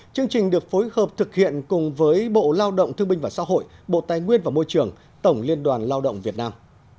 chương trình được phối hợp thực hiện cùng với bộ lao động thương binh và xã hội bộ tài nguyên và môi trường tổng liên đoàn lao động việt nam